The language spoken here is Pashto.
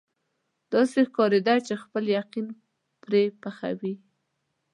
داسې ښکارېده چې خپل یقین پرې پخوي.